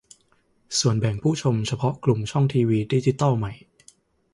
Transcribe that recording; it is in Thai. ส่วนแบ่งผู้ชมเฉพาะกลุ่มช่องทีวีดิจิตอลใหม่